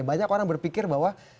banyak orang berpikir bahwa